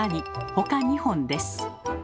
ほか２本です。